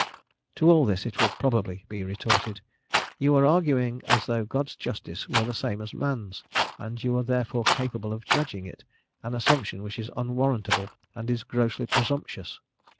To all this it will probably be retorted, "you are arguing as though God's justice were the same as man's, and you were therefore capable of judging it, an assumption which is unwarrantable, and is grossly presumptuous."